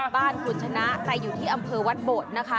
บ้านคุณชนะใครอยู่ที่อำเภอวัดโบดนะคะ